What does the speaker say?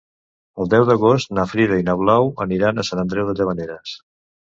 El deu d'agost na Frida i na Blau aniran a Sant Andreu de Llavaneres.